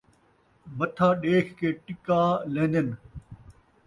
متھا ݙیکھ کے ٹکا لین٘دن